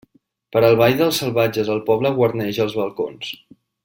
Per al ball dels salvatges el poble guarneix els balcons.